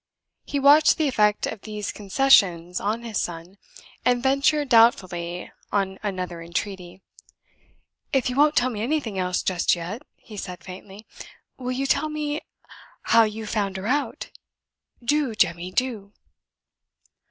He watched the effect of these concessions on his son, and ventured doubtfully on another entreaty. "If you won't tell me anything else just yet," he said, faintly, "will you tell me how you found her out. Do, Jemmy, do!"